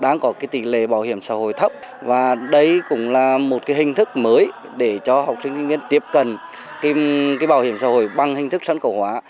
đang có tỷ lệ bảo hiểm xã hội thấp và đây cũng là một cái hình thức mới để cho học sinh sinh viên tiếp cận bảo hiểm xã hội bằng hình thức sân cổ hóa